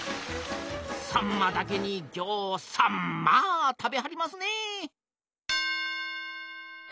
さんまだけにぎょうさんまあ食べはりますね。